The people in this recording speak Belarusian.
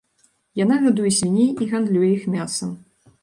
Яна гадуе свіней і гандлюе іх мясам.